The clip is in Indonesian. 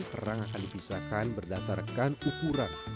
kerang akan dipisahkan berdasarkan ukuran